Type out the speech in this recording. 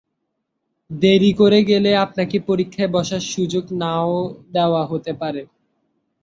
দেরি করে গেলে আপনাকে পরীক্ষায় বসার সুযোগ না-ও দেয়া হতে পারে।